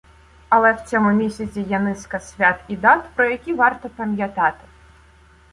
Але в цьому місяці є низка свят і дат, про які варто пам'ятати.